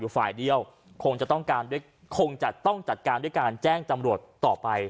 คือแม่ค้าโอ้โหว่ามีรับผิดชอบ